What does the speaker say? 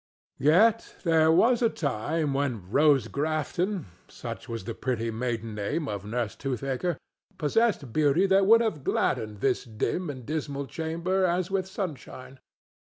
Yet there was a time when Rose Grafton—such was the pretty maiden name of Nurse Toothaker—possessed beauty that would have gladdened this dim and dismal chamber as with sunshine.